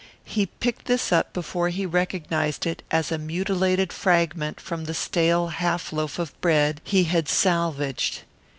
He picked this up before he recognized it as a mutilated fragment from the stale half loaf of bread he had salvaged.